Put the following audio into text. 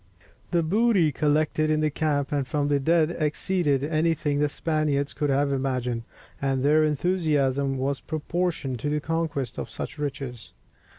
] The booty collected in the camp and from the dead exceeded anything the Spaniards could have imagined, and their enthusiasm was proportioned to the conquest of such riches.